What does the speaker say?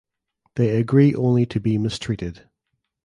They agree only to be mistreated.